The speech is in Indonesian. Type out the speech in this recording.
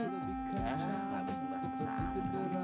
eh ada semua